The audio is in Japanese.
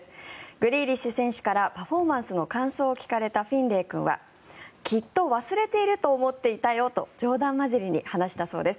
グリーリッシュ選手からパフォーマンスの感想を聞かれたフィンレイ君はきっと忘れていると思っていたよと冗談交じりに話したそうです。